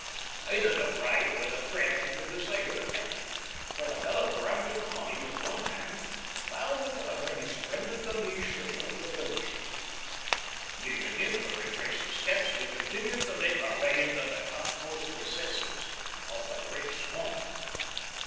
Either the bribe or the threat had the desired effect, for the fellow grabbed at the money with one hand while with the other he surrendered the leash which held the lurcher. Leaving him to retrace his steps, we continued to make our way into the utmost recesses of the great swamp.